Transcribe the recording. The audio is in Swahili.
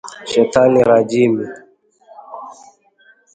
Shetani Rajimi